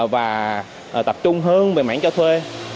và tập trung hơn về mảng cho thuê